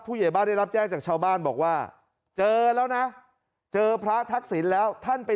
ผู้เหยียดบ้านได้รับแจ้งจากชาวบ้านบอกว่าเจอแล้วนะ